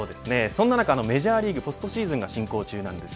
そんな中、メジャーリーグこちらもシーズンが進行中です。